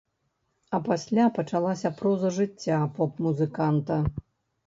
А пасля пачалася проза жыцця поп-музыканта.